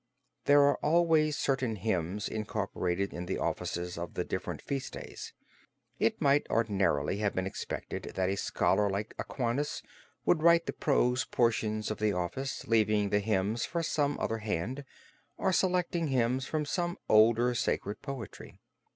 There are always certain hymns incorporated in the offices of the different Feast days. It might ordinarily have been expected that a scholar like Aquinas would write the prose portions of the office, leaving the hymns for some other hand, or selecting hymns from some older sacred poetry.